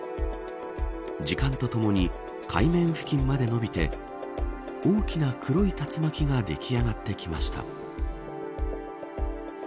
時間とともに海面付近まで伸びて大きな黒い竜巻ができあがってきました。